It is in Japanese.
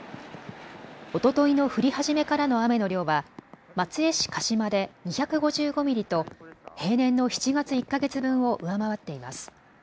おとといの降り始めからの雨の量は松江市鹿島で２５５ミリと平年の７月１か月分を上回っています。